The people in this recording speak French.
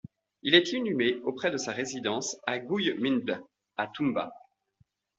Il est inhumé auprès de sa résidence à Gouye Mbind à Touba.